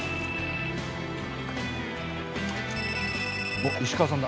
おっ石川さんだ。